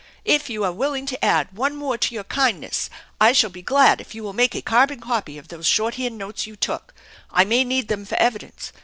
If you are willing to add one more to your kindness, I shall be glad if you will make a carbon copy of those shorthand notes you took. I may need them for evidence.